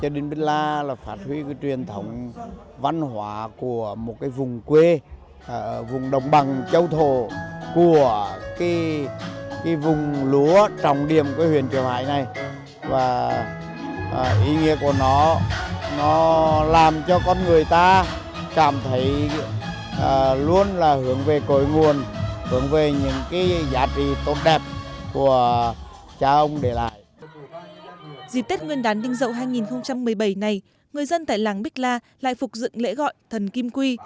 dịp tết nguyên đán đinh dậu hai nghìn một mươi bảy này người dân tại làng bích la lại phục dựng lễ gọi thần kim quy